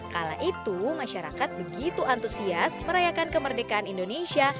kala itu masyarakat begitu antusias merayakan kemerdekaan indonesia